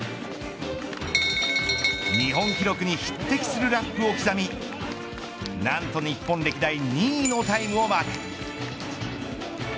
日本記録に匹敵するラップを刻みなんと日本歴代２位のタイムをマーク。